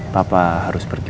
papa harus pergi